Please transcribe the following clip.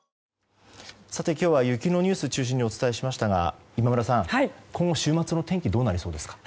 今日は雪のニュースを中心にお伝えしましたが今村さん、今後週末の天気どうなりそうですか。